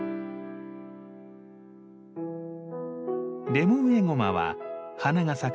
レモンエゴマは花が咲く